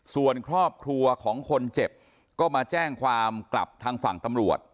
ส่วนครอบครัวของคนเจ็บก็มาแจ้งความกลับทางฝั่งตำรวจ